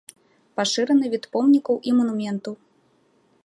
Пашыраны від помнікаў і манументаў.